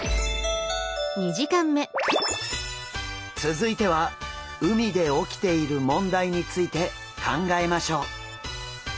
続いては海で起きている問題について考えましょう！